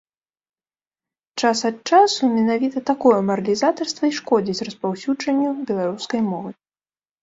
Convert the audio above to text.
Час ад часу менавіта такое маралізатарства і шкодзіць распаўсюджанню беларускай мовы.